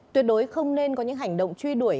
tuyệt đối không nên có những hành động truy đuổi